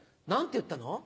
何て言ったの？